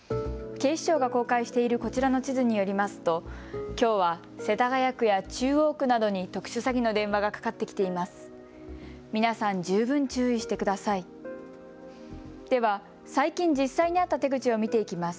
警視庁が公開しているこちらの地図によりますときょうは世田谷区や中央区などに特殊詐欺の電話がかかってきています。